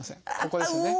ここですね。